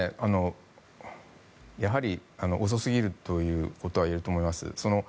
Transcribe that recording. やはり遅すぎるということは言えると思います。